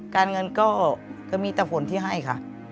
การเงินก็มีแต่ผลที่ให้ค่ะ